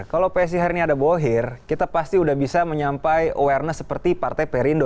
kalau psi hari ini ada bohir kita pasti udah bisa menyampai awareness seperti partai perindo